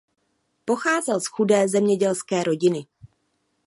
Pocházel z chudé zemědělské rodiny.